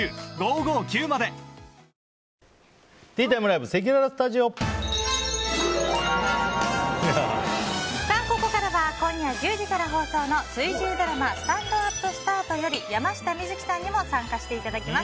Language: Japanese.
今日ご紹介した料理の詳しい作り方はここからは今夜１０時から放送の水１０ドラマ「スタンドＵＰスタート」より山下美月さんにも参加していただきます。